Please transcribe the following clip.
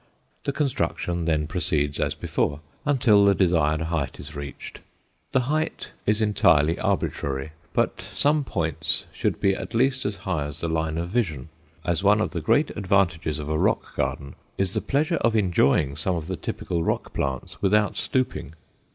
The construction then proceeds as before, until the desired height is reached. The height is entirely arbitrary, but some points should be at least as high as the line of vision, as one of the great advantages of a rock garden is the pleasure of enjoying some of the typical rock plants without stooping.